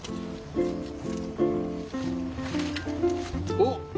おっ！